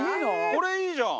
これいいじゃん！